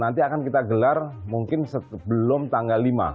nanti akan kita gelar mungkin sebelum tanggal lima